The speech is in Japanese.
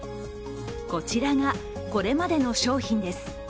こちらが、これまでの商品です。